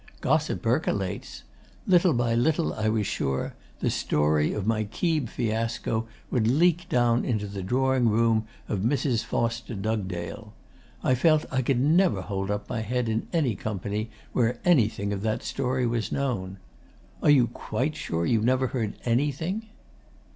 Gossip percolates. Little by little, I was sure, the story of my Keeb fiasco would leak down into the drawing room of Mrs. Foster Dugdale. I felt I could never hold up my head in any company where anything of that story was known. Are you quite sure you never heard anything?